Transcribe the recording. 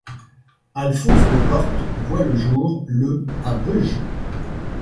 Alphonse Decorte voit le jour le à Bruges.